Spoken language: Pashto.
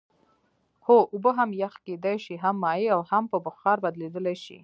هو اوبه هم یخ کیدای شي هم مایع او هم په بخار بدلیدلی شي